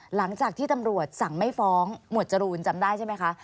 หลังจากที่ตำรวจสั่งไม่ฟ้องหมวดจรูนจำได้ใช่ไหมคะ